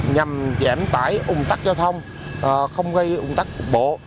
nhằm giảm tải ủng tắc giao thông không gây ủng tắc cuộc bộ